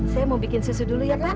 saya mau bikin susu dulu ya pak